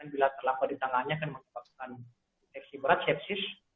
bila terlaku di tangannya akan menyebabkan infeksi berat sepsis